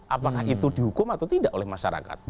apakah itu dihukum atau tidak oleh masyarakat